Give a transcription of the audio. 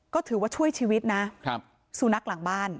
ก็ถือว่าช่วยชีวิตนะสูนักหลังบ้าน